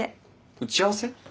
打ち合わせ？